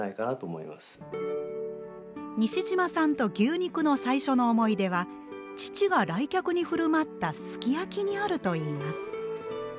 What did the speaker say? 西島さんと牛肉の最初の思い出は父が来客に振る舞ったすき焼きにあるといいます。